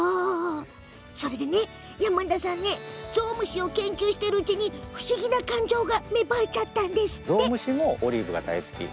でね、山田さんはゾウムシを研究するうちに不思議な感情が芽生えちゃったんですって。